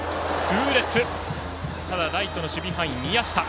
ライトの守備範囲、宮下。